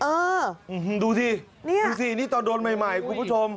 เออดูสินี่ดูสินี่ตอนโดนใหม่ใหม่คุณผู้ชม